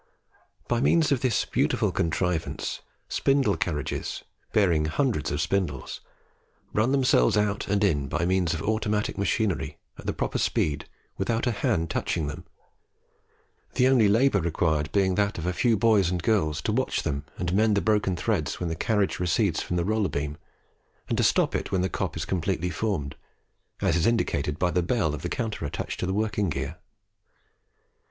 By means of this beautiful contrivance, spindle carriages; bearing hundreds of spindles, run themselves out and in by means of automatic machinery, at the proper speed, without a hand touching them; the only labour required being that of a few boys and girls to watch them and mend the broken threads when the carriage recedes from the roller beam, and to stop it when the cop is completely formed, as is indicated by the bell of the counter attached to the working gear.